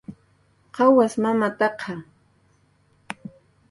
¿Qawas mamataqa?